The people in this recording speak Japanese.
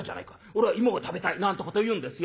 俺は芋が食べたい』なんてこと言うんですよ。